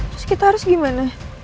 terus kita harus gimana